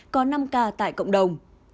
có năm ca tại cộng đồng